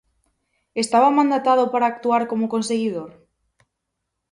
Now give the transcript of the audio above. Estaba mandatado para actuar como conseguidor?